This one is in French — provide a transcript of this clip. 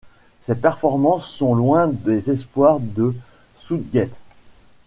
Ses performances sont loin des espoirs de Southgate.